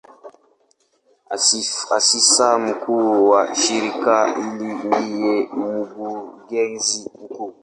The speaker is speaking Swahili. Afisa mkuu wa shirika hili ndiye Mkurugenzi mkuu.